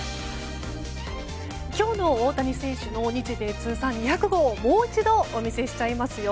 今日の大谷選手の日米通算２００号をもう一度お見せしちゃいますよ！